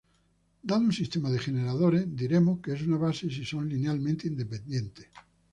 Dado un sistema de generadores, diremos que es una base si son linealmente independientes.